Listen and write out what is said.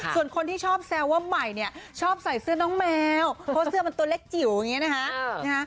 ส่วนคนที่ชอบแซวว่าใหม่เนี่ยชอบใส่เสื้อน้องแมวเพราะเสื้อมันตัวเล็กจิ๋วอย่างนี้นะคะ